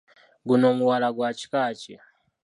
Guno mubala gwa kika ki?